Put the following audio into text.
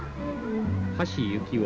橋幸夫。